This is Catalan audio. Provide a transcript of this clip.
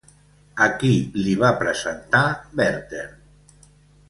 A qui li va presentar Werther?